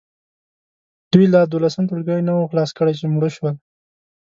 دوی لا دولسم ټولګی نه وو خلاص کړی چې مړه شول.